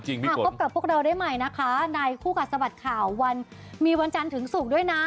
พบกับพวกเราได้ใหม่นะคะในคู่กัดสะบัดข่าววันมีวันจันทร์ถึงศุกร์ด้วยนะ